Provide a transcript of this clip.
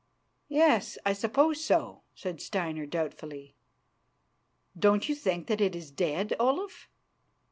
"Yes, I suppose so," said Steinar doubtfully. "Don't you think that it is dead, Olaf?"